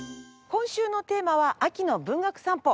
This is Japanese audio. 今週のテーマは秋の文学散歩。